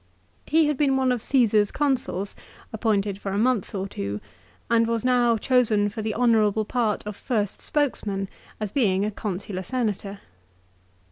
He had been one of Caesar's Consuls, appointed for a month or two, and was now chosen for the honourable part of first spokes man, as being a Consular Senator.